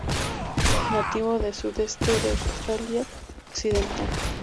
Nativo del sudeste de Australia Occidental.